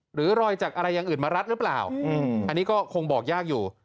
หรือรอยจากอะไรอย่างอื่นมารัดหรือเปล่าอันนี้ก็คงบอกยากอยู่